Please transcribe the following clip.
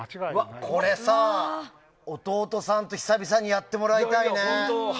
これさ、弟さんと久々にやってもらいたいね。